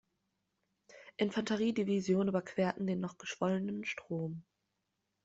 Infanterie-Division überquerten den noch geschwollenen Strom.